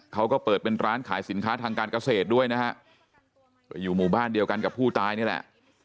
เขาก็เปิดเป็นร้านขายสินค้าทางการเกษตรด้วยนะฮะก็อยู่หมู่บ้านเดียวกันกับผู้ตายนี่แหละ